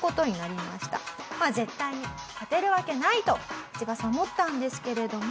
まあ絶対に勝てるわけないとイチバさん思ったんですけれども。